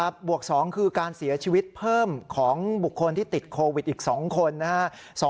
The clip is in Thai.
บวก๒คือการเสียชีวิตเพิ่มของบุคคลที่ติดโควิดอีก๒คนนะครับ